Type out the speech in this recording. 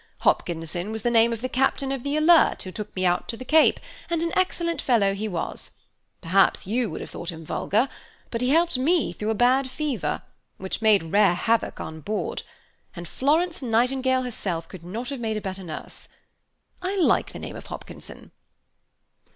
Hopkinson was the name of the Captain of the 'Alert,' who took me out to the Cape, and an excellent fellow he was; perhaps you would have thought him vulgar, but he helped me through a bad fever, which made rare havoc on board; and Florence Nightingale herself could not have made a better nurse. I like the name of Hopkinson."